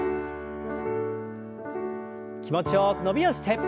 気持ちよく伸びをして。